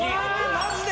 マジで？